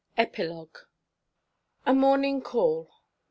EPILOGUE. A MORNING CALL.